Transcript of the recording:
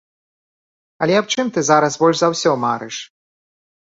Але аб чым ты зараз больш за ўсё марыш?